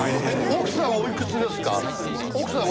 奥さんはおいくつですか？